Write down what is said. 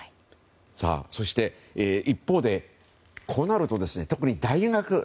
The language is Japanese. そして、一方でこうなると特に大学。